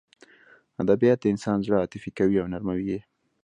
ادبیات د انسان زړه عاطفي کوي او نرموي یې